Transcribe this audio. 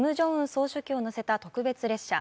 総書記を乗せた特別列車。